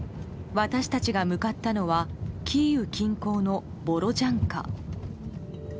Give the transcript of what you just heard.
私たちが向かったのはキーウ近郊のボロジャンカ。